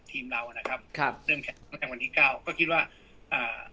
ทีมเรานะครับครับเริ่มตั้งแต่วันที่เก้าก็คิดว่าอ่า